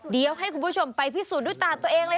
เดี๋ยวให้คุณผู้ชมไปพิสูจน์ด้วยตาตัวเองเลย